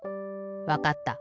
わかった。